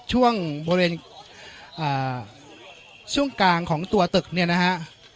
ช่วงบริเวณช่วงกลางของตัวตึกเนี่ยนะฮะ